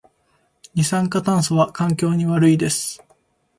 二酸化炭素は環境に悪いです